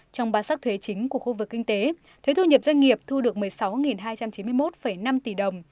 trong ba sắc thuế chính của khu vực kinh tế thuế thu nhập doanh nghiệp thu được một mươi sáu hai trăm chín mươi một năm tỷ đồng